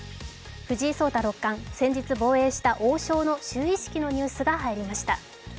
藤井聡太六冠、先日防衛した王将の就位式のニュースが入りました。